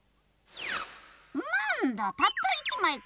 なんだたった１まいか。